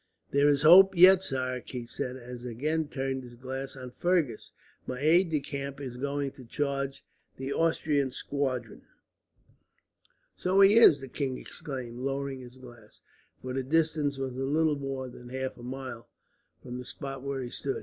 "There is hope yet, sire," Keith said, as he again turned his glass on Fergus. "My aide de camp is going to charge the Austrian squadron." "So he is!" the king exclaimed, lowering his glass, for the distance was little more than half a mile from the spot where he stood.